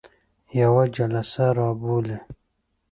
یوه جلسه را بولي.